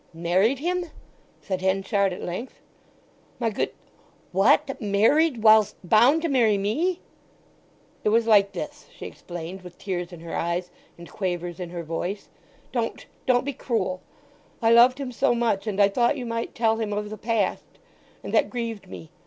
"Married him?" said Henchard at length. "My good—what, married him whilst—bound to marry me?" "It was like this," she explained, with tears in her eyes and quavers in her voice; "don't—don't be cruel! I loved him so much, and I thought you might tell him of the past—and that grieved me!